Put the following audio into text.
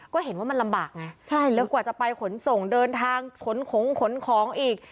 ก็เห็นว่ามันลำบากไงใช่แล้วกว่าจะไปขนส่งเดินทางขนของขนของอีก